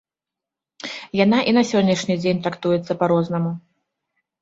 Яна і на сённяшні дзень трактуецца па-рознаму.